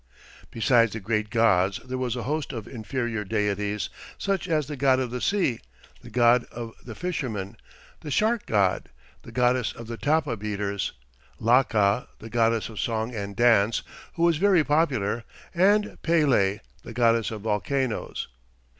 Besides the great gods there was a host of inferior deities, such as the god of the sea, the god of the fishermen, the shark god, the goddess of the tapa beaters, Laka, the goddess of song and dance, who was very popular, and Pele, the goddess of volcanoes.